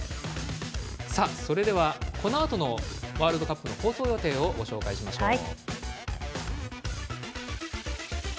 それでは、このあとのワールドカップの放送予定をご紹介しましょう。